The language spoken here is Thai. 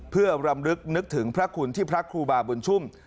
เพื่อรำลึกนึกถึงพระคุณที่พระครูบาบุญชุ่ม